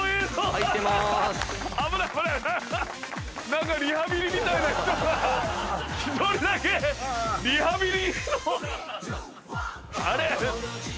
何かリハビリみたいな人が一人だけリハビリの。